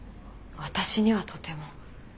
私にはとても。